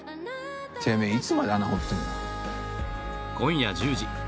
てめえいつまで穴掘ってんの？